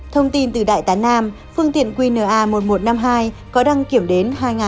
thông tin từ đại tán nam phương tiện qna một nghìn một trăm năm mươi hai có đăng kiểm đến hai nghìn hai mươi ba